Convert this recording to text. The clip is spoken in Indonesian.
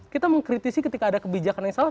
kita mengkritisi ketika ada kebijakan yang salah